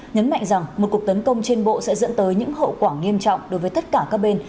nhấn mạnh rằng một cuộc tấn công trên bộ sẽ dẫn tới những hậu quả nghiêm trọng đối với tất cả các bên